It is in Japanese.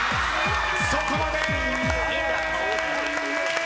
そこまで！